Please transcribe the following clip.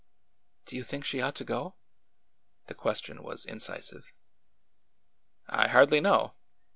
" Do you think she ought to go ?" The question was incisive. "I hardly know.